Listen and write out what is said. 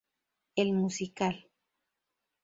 El musical".